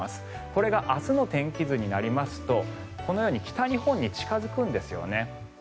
これが明日の天気図になりますとこのように北日本に近付くんですよね。